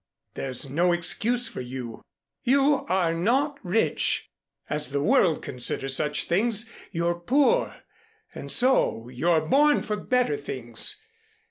There's no excuse for you. You are not rich. As the world considers such things, you're poor and so you're born for better things!